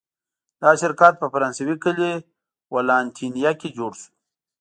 دا شرکت په فرانسوي کلي ولانتینیه کې جوړ شو.